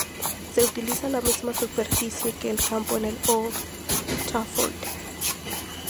Se utiliza la misma superficie que el campo en el Old Trafford.